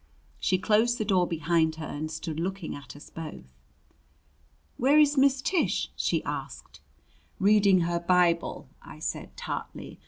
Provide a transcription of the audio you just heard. She closed the door behind her and stood looking at us both. "Where is Miss Tish?" she asked. "Reading her Bible," I said tartly.